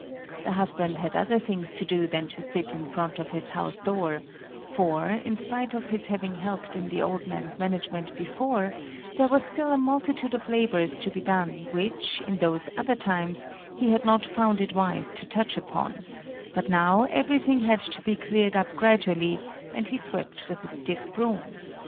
The husband had other things to do than to sit in front of his house door, for, in spite of his having helped in the old man's management before, there was still a multitude of labors to be done which, in those other times, he had not found it wise to touch upon; but now everything had to be cleared up gradually, and he swept with a stiff broom.